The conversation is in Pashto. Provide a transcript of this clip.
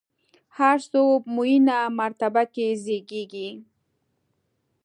هر څوک معینه مرتبه کې زېږي.